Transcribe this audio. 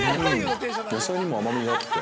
野菜にも甘みがあって。